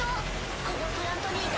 このプラントにいた。